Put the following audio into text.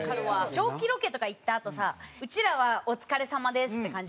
長期ロケとか行ったあとさうちらは「お疲れさまです」って感じじゃない？